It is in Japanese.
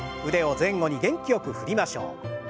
腕を前後に元気よく振りましょう。